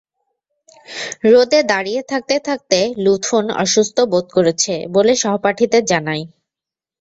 রোদে দাঁড়িয়ে থাকতে থাকতে লুৎফুন অসুস্থ বোধ করছে বলে সহপাঠীদের জানায়।